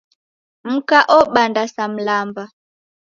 Mka obanda sa mlamba.